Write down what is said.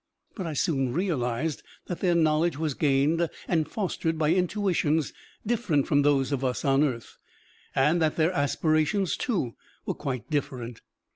But I soon realised that their knowledge was gained and fostered by intuitions different from those of us on earth, and that their aspirations, too, were quite different.